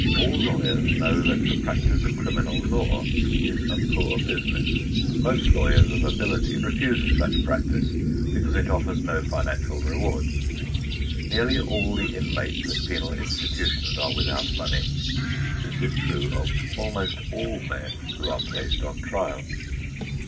All lawyers know that the practice of criminal law is a poor business. Most lawyers of ability refuse such practice because it offers no financial rewards. Nearly all the inmates of penal institutions are without money. This is true of almost all men who are placed on trial.